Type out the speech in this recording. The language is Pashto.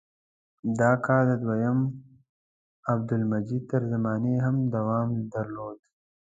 دا کار د دویم عبدالحمید تر زمانې یې هم دوام درلود.